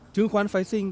chứng khoán phái sinh